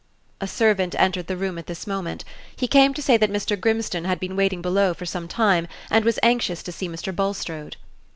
A servant entered the room at this moment. He came to say that Mr. Grimstone had been waiting below for some time, and was anxious to see Mr. Bulstrode.